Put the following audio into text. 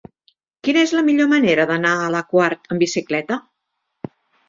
Quina és la millor manera d'anar a la Quar amb bicicleta?